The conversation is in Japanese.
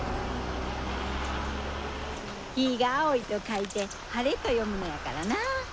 「日が青い」と書いて「晴れ」と読むのやからな。